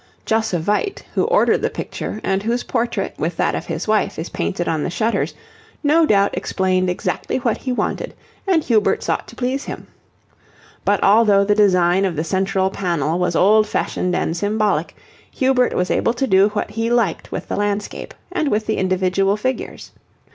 Josse Vyt, who ordered the picture, and whose portrait, with that of his wife, is painted on the shutters, no doubt explained exactly what he wanted, and Hubert sought to please him. But although the design of the central panel was old fashioned and symbolic, Hubert was able to do what he liked with the landscape, and with the individual figures.